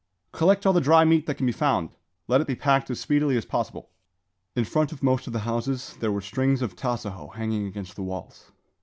"Collect all the dry meat that can be found. Let it be packed as speedily as possible." In front of most of the houses there were strings of tasajo hanging against the walls.